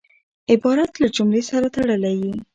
عبارت له جملې سره تړلی يي.